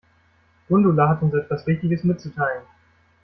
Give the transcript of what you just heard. Gundula hat uns etwas wichtiges mitzuteilen.